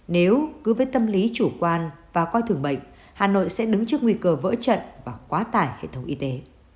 nếu cứ với tâm lý chủ quan và coi thường bệnh hà nội sẽ đứng trước nguy cơ vỡ trận và quá tải hệ thống y tế